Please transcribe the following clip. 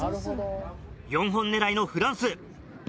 ４本狙いのフランス。